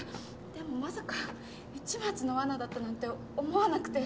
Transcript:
でもまさか市松のわなだったなんて思わなくて。